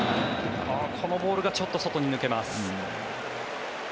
このボールがちょっと外に抜けます。